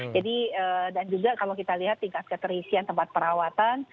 jadi dan juga kalau kita lihat tingkat keterisian tempat perawatan